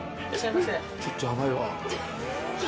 ちょっとやばいわ。